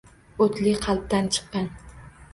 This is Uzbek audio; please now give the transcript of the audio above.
O’tli qalbdan chiqqan